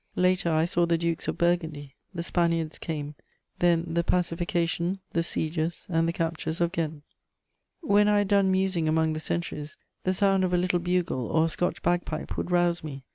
Later, I saw the Dukes of Burgundy; the Spaniards came. Then the pacification, the sieges and the captures of Ghent. When I had done musing among the centuries, the sound of a little bugle or a Scotch bagpipe would rouse me.